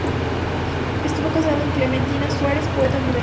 Estuvo casado con Clementina Suárez, poeta hondureña.